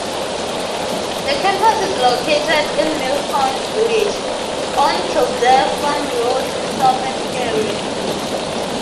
The campus is located in Millpond Village, on Kildaire Farm Road in southern Cary.